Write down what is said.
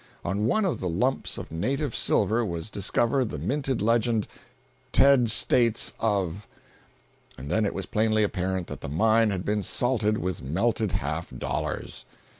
On one of the lumps of "native" silver was discovered the minted legend, "TED STATES OF," and then it was plainly apparent that the mine had been "salted" with melted half dollars!